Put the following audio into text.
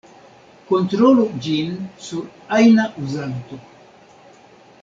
Kontrolu ĝin sur ajna uzanto.